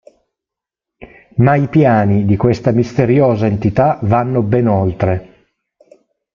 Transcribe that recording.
Ma i piani di questa misteriosa entità vanno ben oltre.